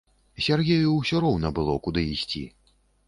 Сяргею ўсё роўна было, куды ісці.